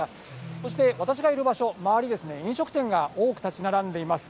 そして私がいる場所、周り、飲食店が多く建ち並んでいます。